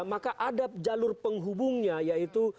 maka ada jalur penghubungnya yaitu